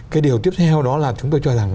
cái điều tiếp theo đó là chúng tôi cho rằng